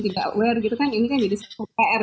tidak aware ini kan jadi satu pr